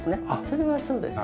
それはそうです。